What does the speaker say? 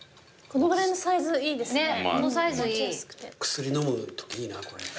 薬飲むときいいなこれ。